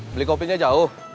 beli kopinya jauh